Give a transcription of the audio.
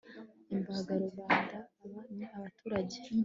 imbaga rubanda aba ni abaturage